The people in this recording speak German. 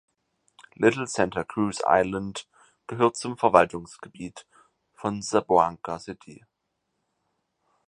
Little Santa Cruz Island gehört zum Verwaltungsgebiet von Zamboanga City.